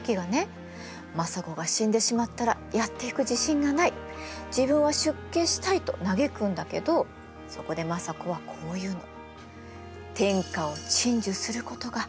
政子が死んでしまったらやっていく自信がない自分は出家したいと嘆くんだけどそこで政子はこういうの。